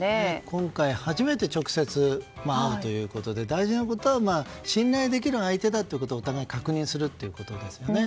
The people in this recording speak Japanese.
今回、初めて直接、会うということで大事なことは信頼できる相手だということをお互い確認するということですね。